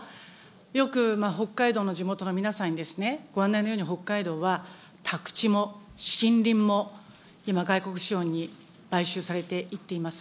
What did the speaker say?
よく北海道の地元の皆さんに、ご案内のように、北海道は宅地も森林も、今、外国資本に買収されていっています。